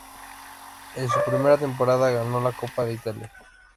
En su primera temporada ganó la Copa de Italia.